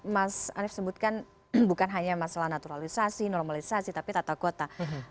mas arief sebutkan bukan hanya masalah naturalisasi normalisasi tapi tata kota